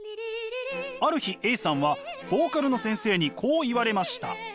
ある日Ａさんはボーカルの先生にこう言われました。